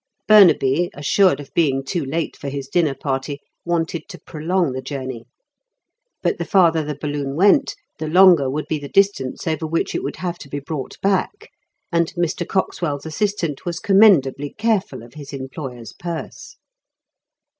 Burnaby, assured of being too late for his dinner party, wanted to prolong the journey. But the farther the balloon went the longer would be the distance over which it would have to be brought back and Mr. Coxwell's assistant was commendably careful of his employer's purse.